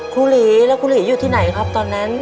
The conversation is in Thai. หลีแล้วครูหลีอยู่ที่ไหนครับตอนนั้น